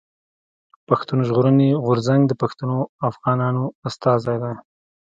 پښتون ژغورني غورځنګ د پښتنو افغانانو استازی دی.